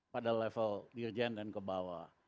pada level dirjen dan kebawah